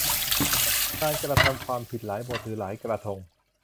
การกระทำความผิดหลายบทหรือหลายกระทง